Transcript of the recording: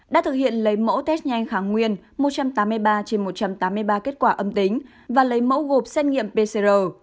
đã thực hiện lấy mẫu test nhanh kháng nguyên một trăm tám mươi ba trên một trăm tám mươi ba kết quả âm tính và lấy mẫu gộp xét nghiệm pcr